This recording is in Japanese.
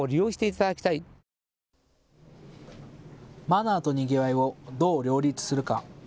マナーとにぎわいをどう両立するか。